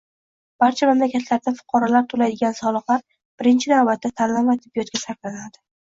Barcha mamlakatlarda fuqarolar to'laydigan soliqlar birinchi navbatda ta'lim va tibbiyotga sarflanadi